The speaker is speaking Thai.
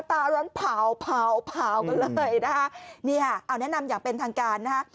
ร้อนเผากันเลยนะคะนี่ค่ะเอาแนะนำอย่างเป็นทางการนะฮะ